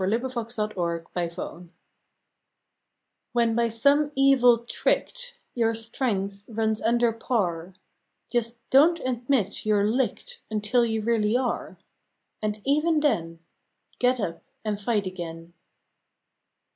November Eighteenth IN DEFEAT by some evil tricked Your strength runs under par Just don t admit you re licked Until you really are; And even then Get up and fight again.